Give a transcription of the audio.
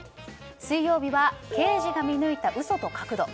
水曜日は刑事が見抜いた嘘と角度。